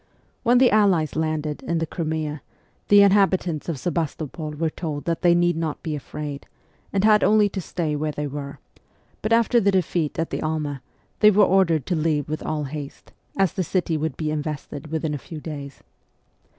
When the allies landed in the Crimea, the inhabitants CHILDHOOD 73 of Sebastopol were told that they need not be afraid, and had only to stay where they were ; but after the defeat at the Alma, they were ordered to leave with all haste, as the city would be invested within a few days.